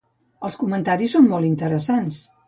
Els comentaris són molt interessants.